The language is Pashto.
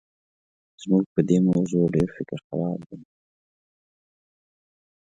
زموږ په دې موضوع ډېر فکر خراب دی.